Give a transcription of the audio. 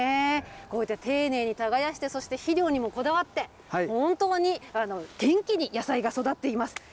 こういった丁寧に耕して、肥料にもこだわって、本当に元気に野菜が育っています。